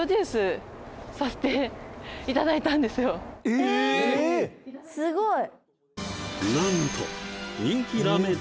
えすごい！